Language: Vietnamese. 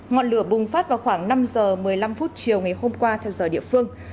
ngọn lửa bùng phát vào khoảng năm giờ một mươi năm chiều ngày hôm qua theo giờ địa phương